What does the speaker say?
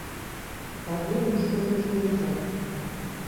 Каврий мушкындыжым рӱза: